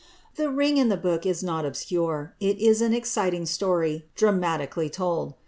The "Ring and the Book" is not obscure. It is an exciting story, dramatically told.